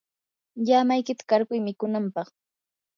llamaykita qarquy mikunanpaq.